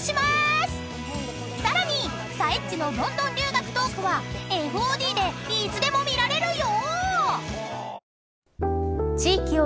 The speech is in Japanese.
［さらにさえっちのロンドン留学トークはＦＯＤでいつでも見られるよ］